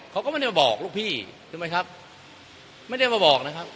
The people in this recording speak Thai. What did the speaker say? เขาก็ไม่ได้มาบอกลูกพี่ใช่ไหมครับไม่ได้มาบอกนะครับ